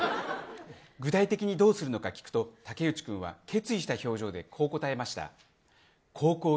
具体的にどうするのか聞くと武内君は決意した表情でこう答えました。